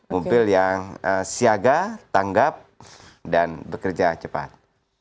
mobil yang siaga tanggap dan bekerja cepat